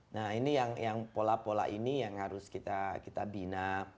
nah ini yang pola pola ini yang harus kita bina